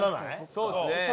そうですね。